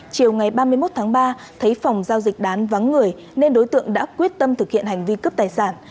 chiều ngày ba mươi một tháng ba thấy phòng giao dịch đán vắng người nên đối tượng đã quyết tâm thực hiện hành vi cướp tài sản